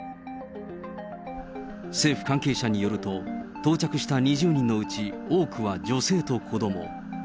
政府関係者によると、到着した２０人のうち多くは女性と子ども。